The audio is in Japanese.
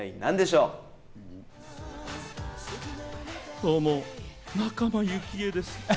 どうも、仲間由紀恵です。